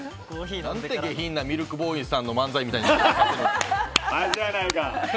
何で下品なミルクボーイさんの漫才みたいに。